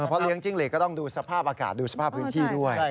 เพราะเลี้ยจิ้งหลีกก็ต้องดูสภาพอากาศดูสภาพพื้นที่ด้วย